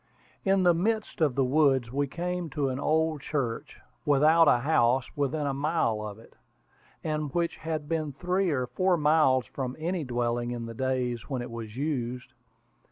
In the midst of the woods we came to an old church, without a house within a mile of it, and which had been three or four miles from any dwelling in the days when it was used.